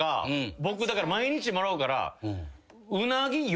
僕だから毎日もらうから。